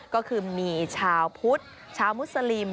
ก็คือมีชาวพุทธชาวมุสลิม